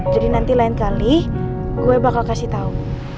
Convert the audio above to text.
jadi nanti lain kali gue bakal kasih tau